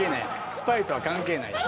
スパイとは関係ないやん。